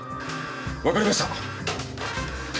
わかりました！